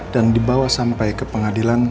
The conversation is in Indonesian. dan dibawa sampai ke pengadilan